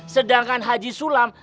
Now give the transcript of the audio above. sedangkan haji sulam